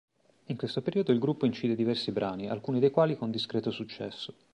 In questo periodo il gruppo incide diversi brani alcuni dei quali con discreto successo.